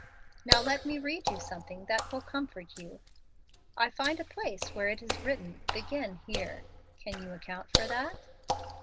Now let me read you something that will comfort you. I find a place where it is written, 'Begin here.' Can you account for that?"